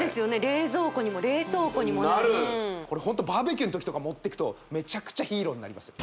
冷蔵庫にも冷凍庫にもなるこれホントバーベキューの時とか持っていくとめちゃくちゃヒーローになりますよ